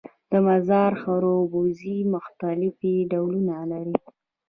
د مزار خربوزې مختلف ډولونه لري